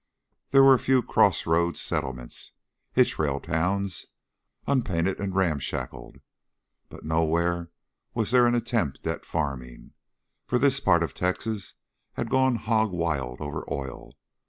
There were a few crossroads settlements "hitch rail towns" unpainted and ramshackle, but nowhere was there an attempt at farming, for this part of Texas had gone hog wild over oil.